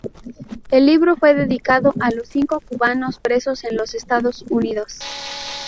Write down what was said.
El libro fue dedicado a los los cinco cubanos presos en los Estados Unidos.